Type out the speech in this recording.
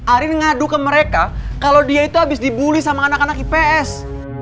arin ngadu ke mereka kalau dia itu habis dibully sama anak anak ips